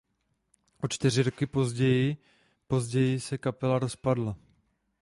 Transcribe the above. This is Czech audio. O čtyři roky později později se kapela rozpadla.